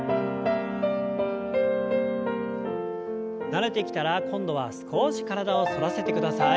慣れてきたら今度は少し体を反らせてください。